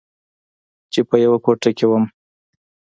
چې په يوه کوټه کښې وم.